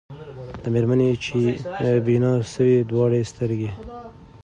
د مېرمني چي بینا سوې دواړي سترګي